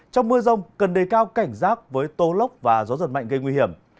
trong mưa rông cần đề cao cảnh giác với tô lốc và gió giật mạnh gây nguy hiểm